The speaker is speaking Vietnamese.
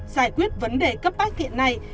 giải quyết vấn đề cấp bách hiện nay